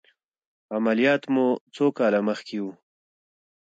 عملیات مو څو کاله مخکې و؟